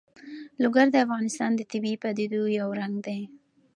لوگر د افغانستان د طبیعي پدیدو یو رنګ دی.